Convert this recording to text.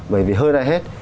bởi vì hơi ra hết